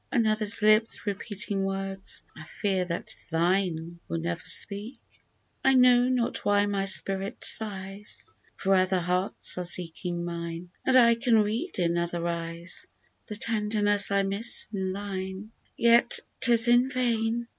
Another's lips repeating words I fear that thine will never speak ? I know not why my spirit sighs, For other hearts are seeking mine ; And I can read in other eyes The tenderness I miss in thine. 38 ''Farewell!'' Yet 'tis in vain